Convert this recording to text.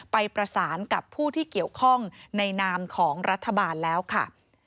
ไปประสานกับผู้ที่เกี่ยวข้องในนามของรัฐบาลแล้วค่ะ